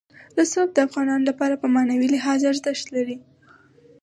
رسوب د افغانانو لپاره په معنوي لحاظ ارزښت لري.